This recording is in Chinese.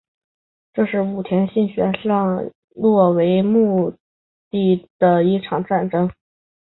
这是武田信玄以上洛为目的的一场战争。